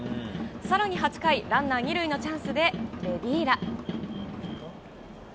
さらに８回、ランナー２塁のチャンスでレビーラ。